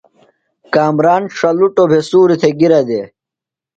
کامران ݜلُٹوۡ بھےۡ سُوریۡ تھےۡ گِرہ دےۡ۔